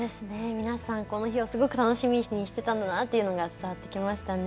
皆さんこの日をすごく楽しみにしてたんだなっていうのが伝わってきましたね。